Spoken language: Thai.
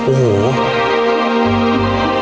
โอ้โห